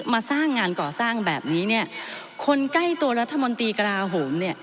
มาสร้างงานก่อสร้างแบบนี้เนี่ยคนใกล้ตัวรัฐมนตรีกระลาโหมเนี่ย